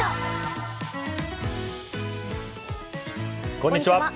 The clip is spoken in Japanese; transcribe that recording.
こんにちは。